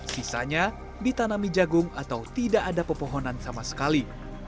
sisanya ditanami jagung atau tidak ada pepohonan sama sekali